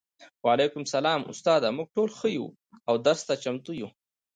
وعلیکم السلام استاده موږ ټول ښه یو او درس ته چمتو یو